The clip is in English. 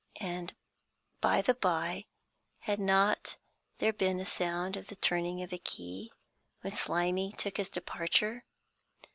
And, by the by, had not there been a sound of the turning of a key when Slimy took his departure?